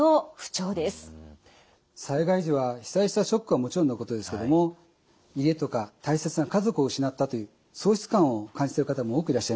災害時は被災したショックはもちろんのことですけども家とか大切な家族を失ったという喪失感を感じている方も多くいらっしゃいます。